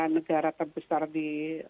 negara terbesar di